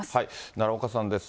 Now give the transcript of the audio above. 奈良岡さんです。